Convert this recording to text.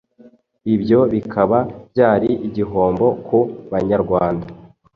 Ibyo bikaba byari igihombo ku Banyarwanda